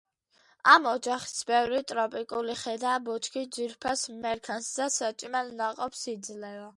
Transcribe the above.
ამ ოჯახის ბევრი ტროპიკული ხე და ბუჩქი ძვირფას მერქანს და საჭმელ ნაყოფს იძლევა.